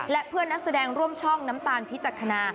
และเพื่อนนักแสดงร่วมช่องน้ำตาลพิจักษณา